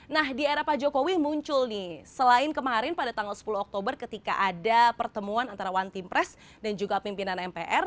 nah di era pak jokowi muncul nih selain kemarin pada tanggal sepuluh oktober ketika ada pertemuan antara one team press dan juga pimpinan mpr